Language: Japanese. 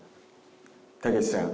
たけしさん